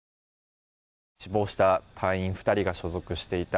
死亡した隊員２人が所属していた